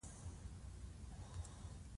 مچ د ناپاکۍ نښه ده